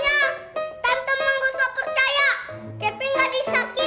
pokoknya tante mak gak usah percaya